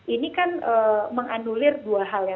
ini kan menganulir dua hal ya